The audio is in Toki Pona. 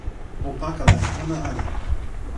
o pakala e ona ale!